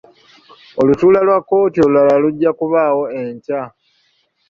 Olutuula lwa kkooti olulala lujja kubaawo enkya.